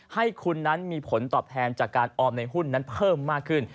ให้คุณนั้นมีผลตอบแทนจากการออมในหุ้นนั้นเพิ่มมากขึ้น